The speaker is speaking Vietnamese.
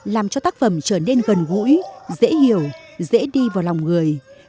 làm cho tác phẩm trở nên gần gũi dễ hiểu dễ đi vào lòng người